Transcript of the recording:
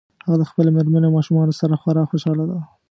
هغه د خپلې مېرمنې او ماشومانو سره خورا خوشحاله ده